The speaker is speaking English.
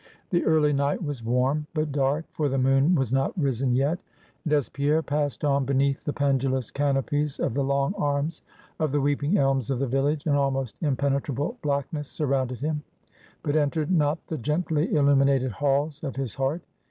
The early night was warm, but dark for the moon was not risen yet and as Pierre passed on beneath the pendulous canopies of the long arms of the weeping elms of the village, an almost impenetrable blackness surrounded him, but entered not the gently illuminated halls of his heart.